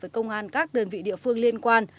với công an các đơn vị địa phương liên quan